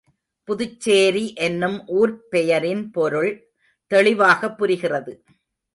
புதுச்சேரி என்னும் ஊர்ப் பெயரின் பொருள் தெளிவாகப் புரிகிறது.